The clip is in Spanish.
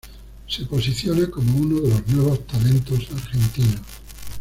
Se posiciona como uno de los nuevos talentos argentinos.